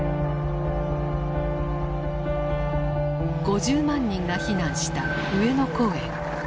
５０万人が避難した上野公園。